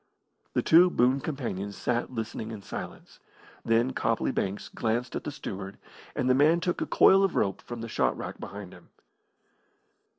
The two boon companions sat listening in silence. Then Copley Banks glanced at the steward, and the man took a coil of rope from the shot rack behind him.